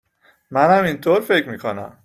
منم اینطور فکر می کنم